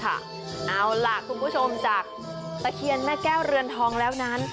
เอาล่ะคุณผู้ชมจากตะเคียนแม่แก้วเรือนทองแล้วนั้น